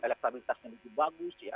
elektabilitasnya begitu bagus ya